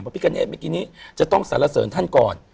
พิกเนธเมื่อกี้นี้จะต้องสารเสริญท่านก่อน